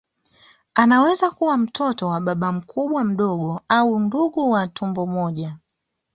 Anaweza kuwa mtoto wa baba mkubwa mdogo au ndugu wa tumbo moja